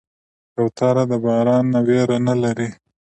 کوتره د باران نه ویره نه لري.